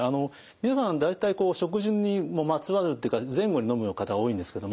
皆さん大体食事にまつわるっていうか前後にのむ方多いんですけども。